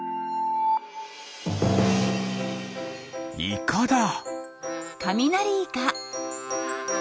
イカだ。